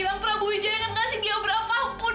bilang perabu bijaya gak kasih dia berapa pun